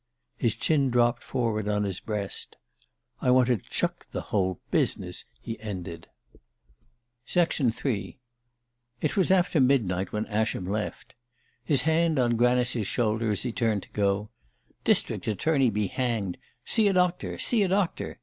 His chin dropped forward on his breast. "I want to chuck the whole business," he ended. III IT was after midnight when Ascham left. His hand on Granice's shoulder, as he turned to go "District Attorney be hanged; see a doctor, see a doctor!"